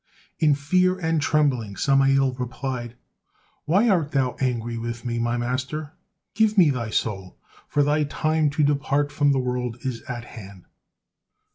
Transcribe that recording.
In fear and trembling Samael replied: "Why art thou angry with me, my master, give me thy soul, for thy time to depart from the world is at hand."